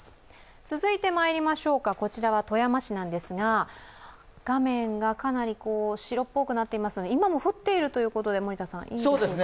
続いて、こちらは富山市なんですが画面がかなり白っぽくなっていますので今も降っているということでいいんですね。